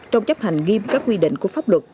trong chấp hành nghiêm các quy định của pháp luật